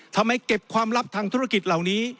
เก็บความลับทางธุรกิจเหล่านี้